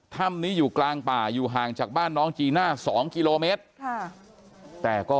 ถ้ำนี้อยู่กลางป่าอยู่ห่างจากบ้านน้องจีน่า๒กิโลเมตรแต่ก็